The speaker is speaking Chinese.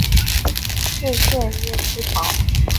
县治耶芝堡。